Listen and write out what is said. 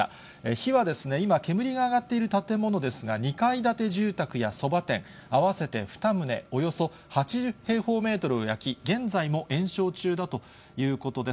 火は今、煙が上がっている建物ですが、２階建て住宅やそば店、合わせて２棟およそ８０平方メートルを焼き、現在も延焼中だということです。